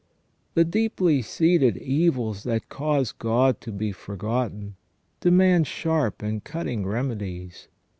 The deeply seated evils that cause God to be forgotten demand sharp and cutting remedies.